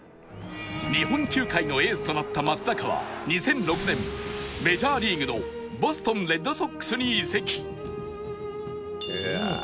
日本球界のエースとなった松坂は２００６年メジャーリーグのボストン・レッドソックスに移籍